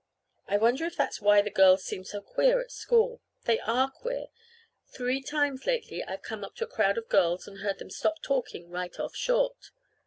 I wonder if that's why the girls seem so queer at school. They are queer. Three times lately I've come up to a crowd of girls and heard them stop talking right off short.